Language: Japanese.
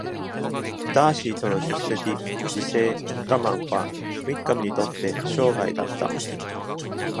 ダーシーとの出席、自制、我慢はウィッカムにとって障害だった。